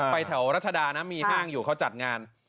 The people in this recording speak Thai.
แถวรัชดานะมีห้างอยู่เขาจัดงาน